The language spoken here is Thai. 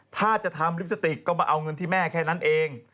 ถ้าจะทำลิปสติกก็มาเอาเงินที่แม่แค่นั้นเอง